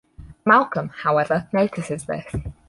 Malcolm however notices this.